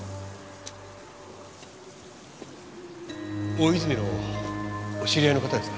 大泉のお知り合いの方ですか？